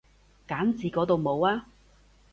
揀字嗰度冇啊